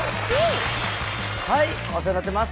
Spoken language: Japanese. はいお世話になってます